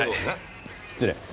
失礼。